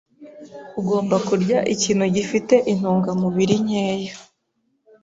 Ugomba kurya ikintu gifite intungamubiri nkeya.